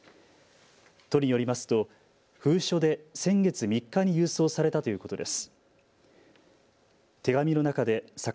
都によりますと封書で先月３日に郵送されたということです。